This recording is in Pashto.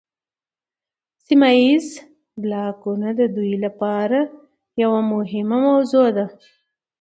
سیمه ایز بلاکونه د دوی لپاره یوه مهمه موضوع ده